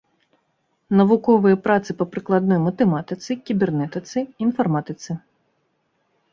Навуковыя працы па прыкладной матэматыцы, кібернетыцы, інфарматыцы.